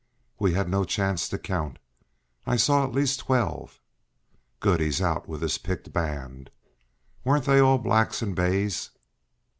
"We had no chance to count. I saw at least twelve." "Good! He's out with his picked band. Weren't they all blacks and bays?"